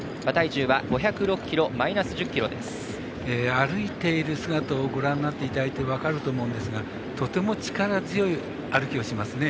歩いている姿をご覧になって分かると思うんですがとても力強い歩きをしますね。